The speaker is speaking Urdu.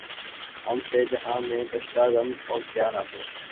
ہم سے جہاں میں کشتۂ غم اور کیا نہ تھے